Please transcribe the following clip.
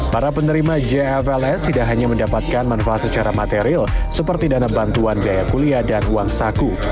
para penerima jfls tidak hanya mendapatkan manfaat secara material seperti dana bantuan biaya kuliah dan uang saku